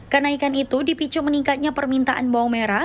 kenaikan itu dipicu meningkatnya permintaan bawang merah